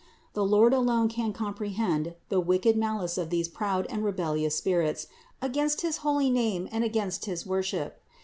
The Lord alone can comprehend the wicked malice of these proud and rebellious spirits against his holy name and against his worship.